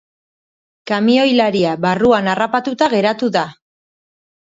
Kamioilaria barruan harrapatuta geratu da.